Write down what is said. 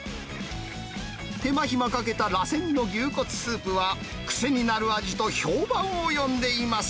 手間暇かけたらせんの牛骨スープは、癖になる味と評判を呼んでいます。